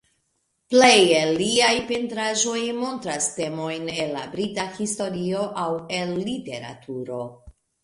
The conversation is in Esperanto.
Plej el liaj pentraĵoj montras temojn el la Brita historio, aŭ el literaturo.